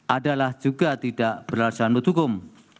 adalah juga tidak beralasan menurut hukum